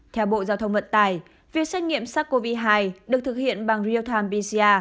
theo bộ giao thông vận tải việc xét nghiệm sars cov hai được thực hiện bằng real time pcr